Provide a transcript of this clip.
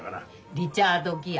リチャード・ギア。